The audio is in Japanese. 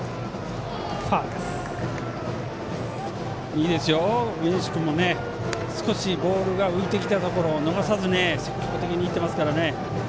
いいですよ、上西君も少しボールが浮いてきたところを逃さず積極的にいってますから。